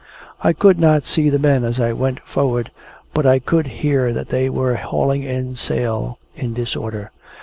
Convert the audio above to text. I could not see the men as I went forward, but I could hear that they were hauling in sail, in disorder.